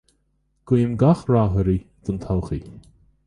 Guím gach rath oraibh don todhchaí